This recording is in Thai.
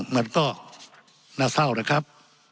มันก็น่าเศร้านะครับ